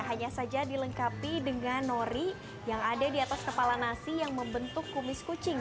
hanya saja dilengkapi dengan nori yang ada di atas kepala nasi yang membentuk kumis kucing